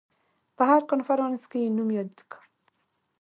په هر کنفرانس کې یې نوم یاد کړ.